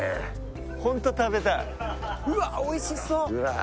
ホント食べたいうわっおいしそううわ